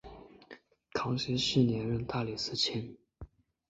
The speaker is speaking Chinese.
康熙十年任大理寺卿。